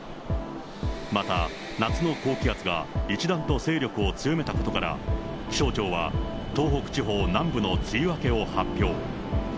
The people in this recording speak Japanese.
また、夏の高気圧が一段と勢力を強めたことから、気象庁は東北地方南部の梅雨明けを発表。